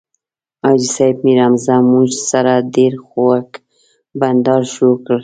حاجي صیب میرحمزه موږ سره ډېر خوږ بنډار شروع کړ.